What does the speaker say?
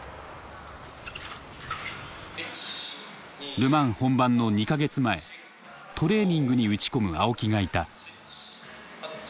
ル・マン本番の２か月前トレーニングに打ち込む青木がいた。